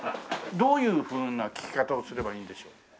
どういうふうな聞き方をすればいいんでしょう。